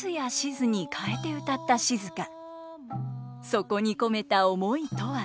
そこに込めた思いとは。